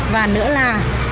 và nữa là